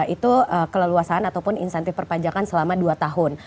itu keleluasan ataupun insentif perpajakan selama dua tahun